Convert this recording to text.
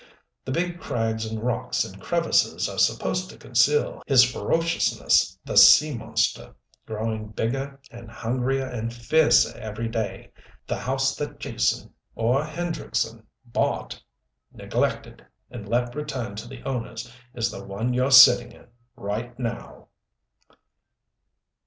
The big crags and rocks and crevices are supposed to conceal his ferociousness the sea monster, growing bigger and hungrier and fiercer every day. The house that Jason or Hendrickson bought, neglected, and let return to the owners is the one you're sitting in, right now."